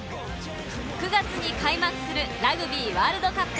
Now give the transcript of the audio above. ９月に開幕するラグビーワールドカップ